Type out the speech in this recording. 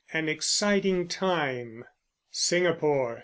AN EXCITING TIME. Singapore!